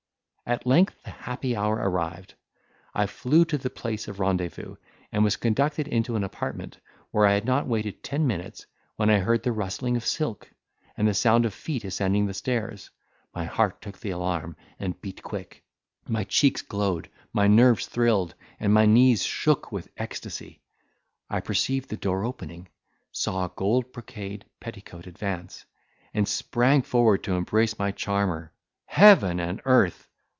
At length the happy hour arrived. I flew to the place of rendezvous, and was conducted into an apartment, where I had not waited ten minutes, when I heard the rustling of silk, and the sound of feet ascending the stairs; my heart took the alarm, and beat quick; my cheeks glowed, my nerves thrilled, and my knees shook with ecstacy! I perceived the door opening, saw a gold brocade petticoat advance, and sprang forward to embrace my charmer. Heaven and earth!